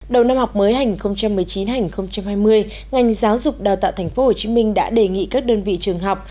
đầu năm học mới hành một mươi chín hai nghìn hai mươi ngành giáo dục đào tạo tp hcm đã đề nghị các đơn vị trường học